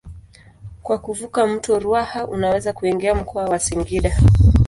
Kwa kuvuka mto Ruaha unaweza kuingia mkoa wa Singida.